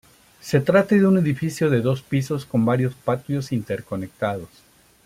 Se trata de un edificio de dos pisos con varios patios interconectados.